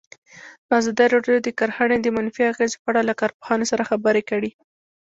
ازادي راډیو د کرهنه د منفي اغېزو په اړه له کارپوهانو سره خبرې کړي.